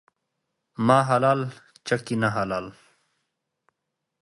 ما حلال ، چکي نه حلال.